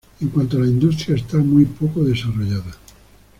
En cuanto a la industria, está muy poco desarrollada.